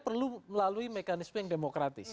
perlu melalui mekanisme yang demokratis